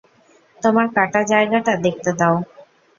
তোমার কাটা জায়গাটা দেখতে দাও।